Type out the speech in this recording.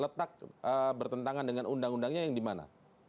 letak bertentangan dengan undang undangnya yang di mana